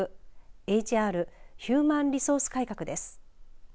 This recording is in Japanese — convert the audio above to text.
ＨＲヒューマン・リソース改革です。